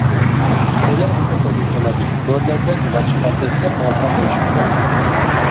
قويلار ئەمدى قويدەك ئەمەس، بۆرىلەردەك مارشقا دەسسەپ ماڭىدىغان بولۇشۇپتۇ.